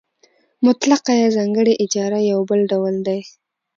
مطلقه یا ځانګړې اجاره یو بل ډول دی